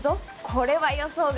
これは予想外。